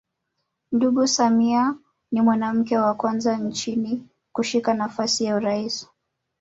Ndugu Samia ni mwanamke wa kwanza nchini kushika nafasi ya urais